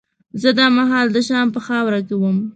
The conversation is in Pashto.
زه دا مهال د شام په خاوره کې وم.